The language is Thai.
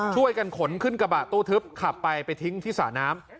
ช่วยกันขนขึ้นกระบะตู้ทึบขับไปไปทิ้งที่สระน้ำ